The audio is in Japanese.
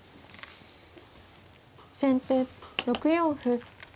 先手６四歩。